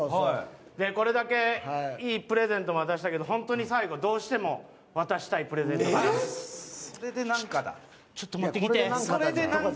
これだけいいプレゼントも渡したけど本当に最後、渡したいプレゼントがあるんです。